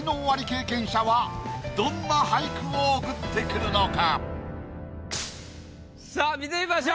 アリ経験者はどんな俳句を送ってくるのか？